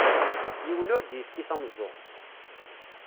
Yiwen ur d-yefki tameẓẓuɣt.